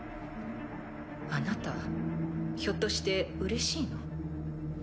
あなたひょっとしてうれしいの？